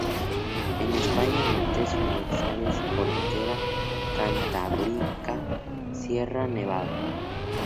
En España, montes universales, Cordillera cantábrica, Sierra nevada.